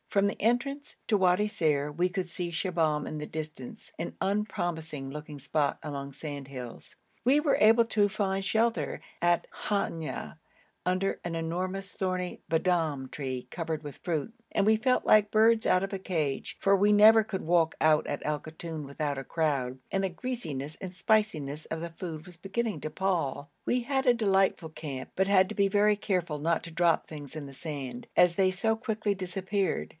From the entrance to Wadi Ser we could see Shibahm in the distance, an unpromising looking spot among sandhills. We were all able to find shelter at Hanya under an enormous thorny b'dom tree covered with fruit, and we felt like birds out of a cage, for we never could walk out at Al Koton without a crowd, and the greasiness and spiciness of the food was beginning to pall. We had a delightful camp, but had to be very careful not to drop things in the sand, as they so quickly disappeared.